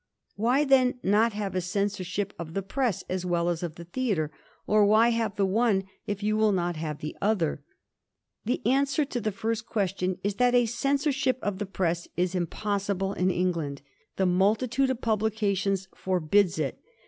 Why then not have a censorship of the press as well as of the theatre, or why have the one if you will not have the other ? The answer to the first question is that a censorship of the press is impossible in England. The multitude of publica tions forbids it.